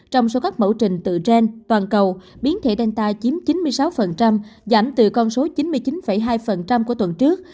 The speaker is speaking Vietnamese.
trong số các mẫu trình tự trên toàn cầu biến thể danta chiếm chín mươi sáu giảm từ con số chín mươi chín hai của tuần trước